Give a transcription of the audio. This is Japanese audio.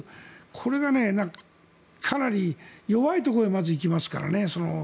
これがかなり弱いところへまず行きますからね。